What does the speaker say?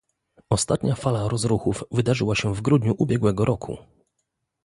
Ostatnia fala rozruchów wydarzyła się w grudniu ubiegłego roku